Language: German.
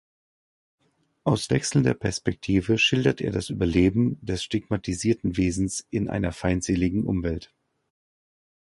Aus wechselnder Perspektive schildert er das Überleben des stigmatisierten Wesens in einer feindseligen Umwelt.